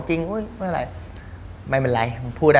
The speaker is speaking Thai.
จริงหน่ะ